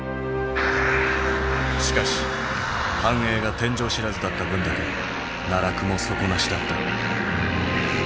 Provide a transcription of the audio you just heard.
しかし繁栄が天井知らずだった分だけ奈落も底なしだった。